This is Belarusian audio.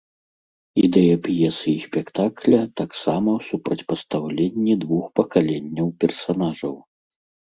Ідэя п'есы і спектакля таксама ў супрацьпастаўленні двух пакаленняў персанажаў.